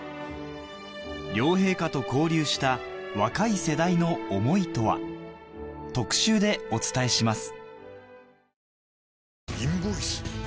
両陛下と交流した若い世代の思いとは特集でお伝えします